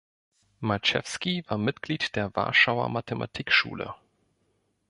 Marczewski war Mitglied der Warschauer Mathematikschule.